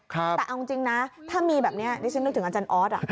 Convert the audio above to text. แต่เอาจริงนะถ้ามีแบบนี้ดิฉันนึกถึงอาจารย์ออส